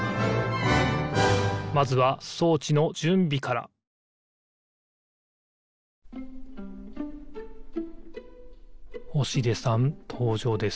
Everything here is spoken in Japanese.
まずはそうちのじゅんびから星出さんとうじょうです。